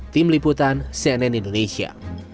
tim liputan cnn indonesia